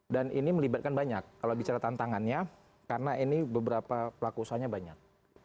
dan ini melibatkan banyak kalau bicara tantangannya karena ini beberapa pelaku usahanya banyak